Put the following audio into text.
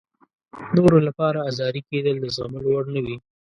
نورو لپاره ازاري کېدل د زغملو وړ نه وي.